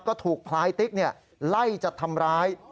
ก็ถูกพลายติ๊กไล่จะทำร้าย